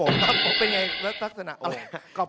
เป็นอย่างไรลักษณะโอ่ง